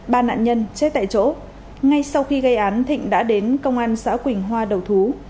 ba nạn nhân chết tại chỗ ngay sau khi gây án thịnh đã đến công an xã quỳnh hoa đầu thú